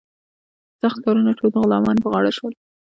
سخت کارونه ټول د غلامانو په غاړه شول.